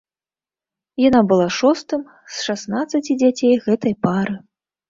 Яна была шостым з шаснаццаці дзяцей гэтай пары.